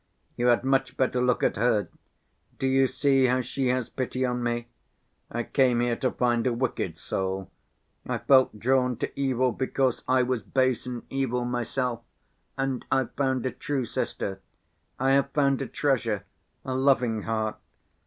You had much better look at her—do you see how she has pity on me? I came here to find a wicked soul—I felt drawn to evil because I was base and evil myself, and I've found a true sister, I have found a treasure—a loving heart.